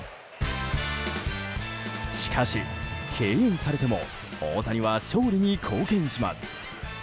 しかし、敬遠されても大谷は勝利に貢献します。